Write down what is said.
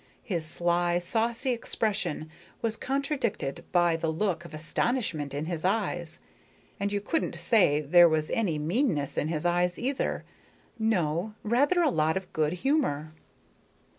His sly, saucy expression was contradicted by the look of astonishment in his eyes, and you couldn't say there was any meanness in his eyes either. No, rather a lot of good humor.